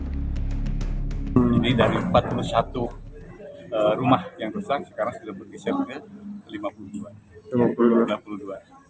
jadi dari empat puluh satu rumah yang rusak sekarang sudah bergisir ke lima puluh dua